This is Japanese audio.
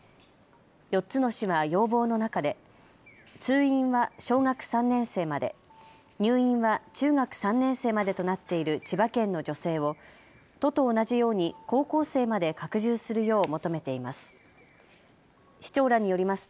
４つの市は要望の中で通院は小学３年生まで、入院は中学３年生までとなっている千葉県の助成を都と同じように高校生まで拡充するよう求めています。